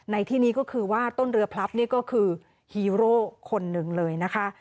ในที่นี้ก็คือว่าต้นเรือพลับนี่ก็คือฮีโร่คนหนึ่งเลยนะคะ